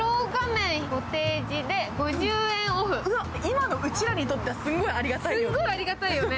今のうちらにとっては、すんごいありがたいね。